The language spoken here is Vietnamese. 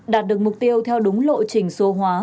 đạt được mục tiêu theo đúng lộ trình số hóa